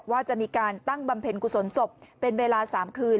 ว่าจะมีการตั้งบำเพ็ญกุศลศพเป็นเวลา๓คืน